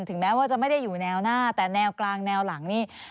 แม้ว่าจะไม่ได้อยู่แนวหน้าแต่แนวกลางแนวหลังนี่